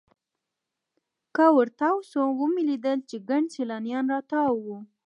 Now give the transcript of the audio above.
کله ورتاو سوم ومې لېدل چې ګڼ سیلانیان راتاو وو.